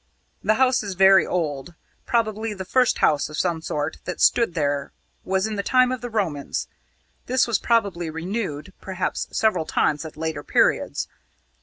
"The house is very old probably the first house of some sort that stood there was in the time of the Romans. This was probably renewed perhaps several times at later periods.